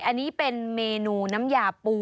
อันนี้เป็นเมนูน้ำยาปู